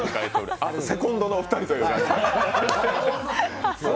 あと、セコンドのお二人ということで。